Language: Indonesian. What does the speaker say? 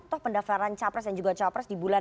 tuh pendafaran cawapres dan juga cawapres dibuat